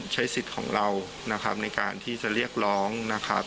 ใช้สิทธิ์ของเรานะครับในการที่จะเรียกร้องนะครับ